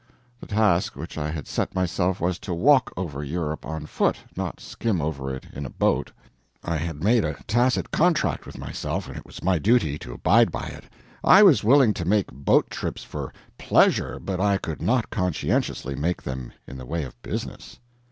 The task which I had set myself was to walk over Europe on foot, not skim over it in a boat. I had made a tacit contract with myself; it was my duty to abide by it. I was willing to make boat trips for pleasure, but I could not conscientiously make them in the way of business.